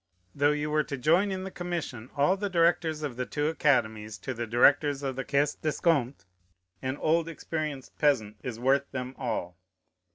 Though you were to join in the commission all the directors of the two Academies to the directors of the Caisse d'Escompte, an old experienced peasant is worth them all.